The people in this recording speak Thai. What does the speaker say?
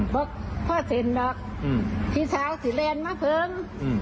บอกพ่อเซ็นดอกพี่สาวสิเรนมาเพิง